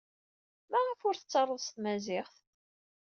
Maɣef ur t-tettaruḍ s tmaziɣt?